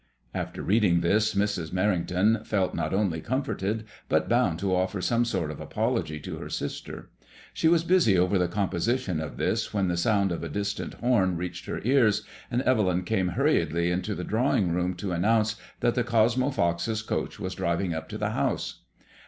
After reading this, Mrs. Mer rington felt not only comforted, but bound to offer some sort of apology to her sister. She was busy over the composition of this when the sound of a distant horn reached her ears, and Evelyn came hurriedly into the drawing 64 MADEMOISELLK DCS. room to announce that the Cosmo Foxes' coach was driving up to the house.